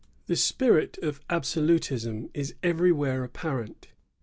* The spirit of absolutism is everywrhere apparent.